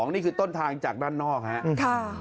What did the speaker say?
นี่คือต้นทางจากด้านนอกครับ